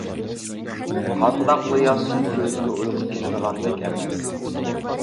قانداقلا ياتسۇن، كۆزىگە ئۇيقۇ كېلىدىغاندەك ئەمەس.